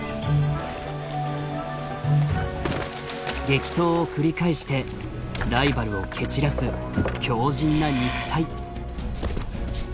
激闘を繰り返してライバルを蹴散らす強じんな肉体。